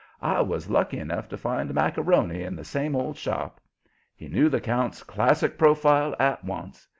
I was lucky enough to find Macaroni in the same old shop. He knew the count's classic profile at once.